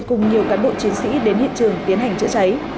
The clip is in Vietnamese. cùng nhiều cán bộ chiến sĩ đến hiện trường tiến hành chữa cháy